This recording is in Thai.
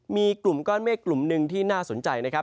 มีกลุ่มก้อนเมฆกลุ่มหนึ่งที่น่าสนใจนะครับ